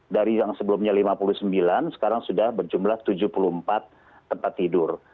dari yang sebelumnya lima puluh sembilan sekarang sudah berjumlah tujuh puluh empat tempat tidur